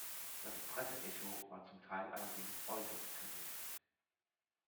Das Presseecho war zum Teil allerdings äußerst kritisch.